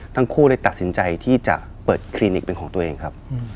ทั้งคู่เลยตัดสินใจที่จะเปิดคลินิกเป็นของตัวเองครับ